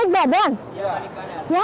iya balik badannya